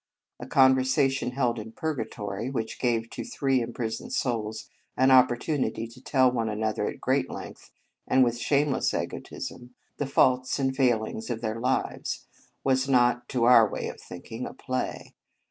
A conversation held in Pur gatory, which gave to three impris oned souls an opportunity to tell one another at great length, and with shameless egotism, the faults and fail 44 The Convent Stage ings of their lives, was not to our way of thinking a play.